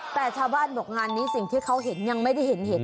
แต่ชาวบ้านบอกงานนี้สิ่งที่เขาเห็นยังไม่ได้เห็น